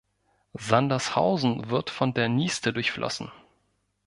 Sandershausen wird von der Nieste durchflossen.